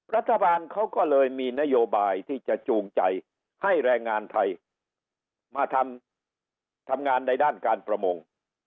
รัฐบาลเขาก็เลยมีนโยบายที่จะจูงใจให้แรงงานไทยมาทำงานในด้านการประมง